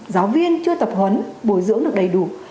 giáo viên chưa tập huấn bồi dưỡng được đầy đủ